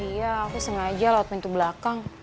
iya aku sengaja lewat pintu belakang